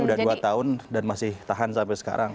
udah dua tahun dan masih tahan sampai sekarang